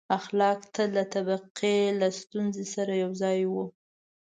• اخلاق تل د طبقې له ستونزې سره یو ځای وو.